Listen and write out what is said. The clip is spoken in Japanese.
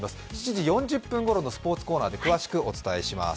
７時４０分ごろのスポーツコーナーで詳しくお伝えします。